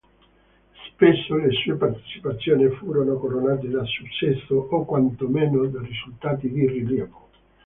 Spesso le sue partecipazioni furono coronate da successo o quantomeno da risultati di rilievo.